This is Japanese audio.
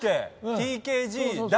ＴＫＧだ。